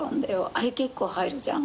あれ結構入るじゃん。